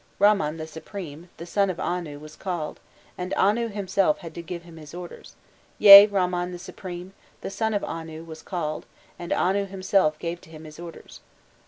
Bamman, the supreme, the son of Anu, was called, and Anu himself gave to him his orders; yea, Bamman, the supreme, the son of Anu, was called, and Anu himself gave to him his orders.